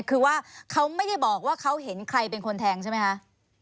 คือว่าเขาไม่ได้บอกว่าเขาเห็นใครเป็นคนแทงใช่ไหมคะ